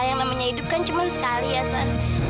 yang namanya hidup kan cuman sekali ya san